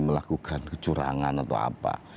melakukan kecurangan atau apa